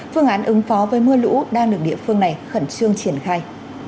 phương án ứng phó với mưa lũ đang được địa phương này khẩn trương triển khai